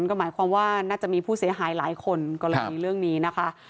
ก็หมายความว่าน่าจะมีผู้เสียหายหลายคนกรณีเรื่องนี้นะคะ